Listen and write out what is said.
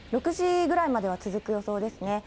６時ぐらいまでは続く予想ですね。